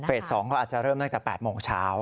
เฟส๒เขาอาจจะเริ่มน่าจะ๘โมงเช้า